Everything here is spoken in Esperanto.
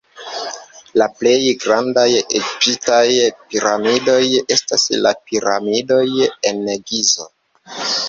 La plej grandaj egiptaj piramidoj estas la piramidoj en Gizo.